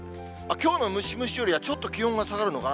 きょうのムシムシよりはちょっと気温が下がるのかな。